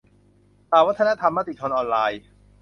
ข่าววัฒนธรรม มติชนออนไลน์